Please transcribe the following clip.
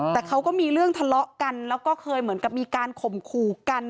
แต่เขาก็มีเรื่องทะเลาะกันแล้วก็เคยเหมือนกับมีการข่มขู่กัน